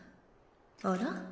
あら？